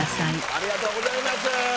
ありがとうございます。